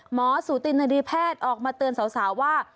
สูตินดีแพทย์ออกมาเตือนสาวว่า